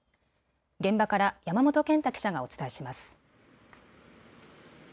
現場から山本健太記者がお伝えします。